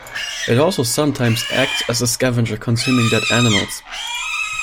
It also sometimes acts as a scavenger consuming dead animals.